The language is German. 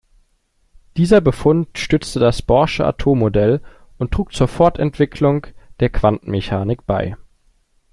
Dieser Befund stützte das bohrsche Atommodell und trug zur Fortentwicklung der Quantenmechanik bei.